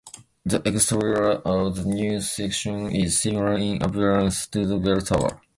The exterior of the new section is similar in appearance to the Bell Tower.